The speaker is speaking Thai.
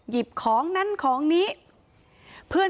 พนักงานในร้าน